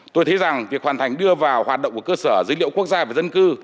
tôi thấy rằng việc hoàn thành đưa vào hoạt động của cơ sở dữ liệu quốc gia về dân cư